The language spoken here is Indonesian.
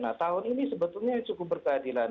nah tahun ini sebetulnya cukup berkeadilan